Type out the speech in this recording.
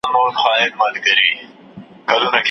دین لیلام، زړه یې پردی ضمیر ککړ دی